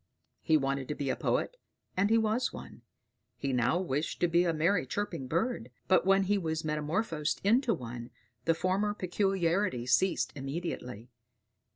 He wanted to be a poet, and he was one; he now wished to be a merry chirping bird: but when he was metamorphosed into one, the former peculiarities ceased immediately.